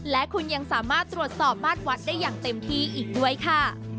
และคุณยังสามารถตรวจสอบบ้านวัดได้อย่างเต็มที่อีกด้วยค่ะ